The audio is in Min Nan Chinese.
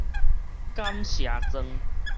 感謝狀